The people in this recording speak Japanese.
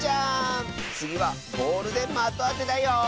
つぎはボールでまとあてだよ！